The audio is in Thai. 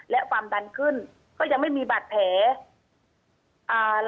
และความดันขึ้นก็ยังไม่มีบาดแผลอ่า